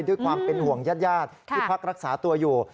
ด้วยความเป็นห่วงญาติที่พักรักษาตัวอยู่